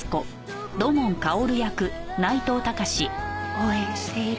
応援している。